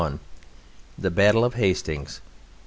The Battle of Hastings.